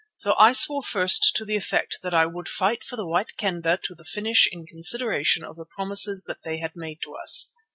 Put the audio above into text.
So I swore first to the effect that I would fight for the White Kendah to the finish in consideration of the promises that they had made to us.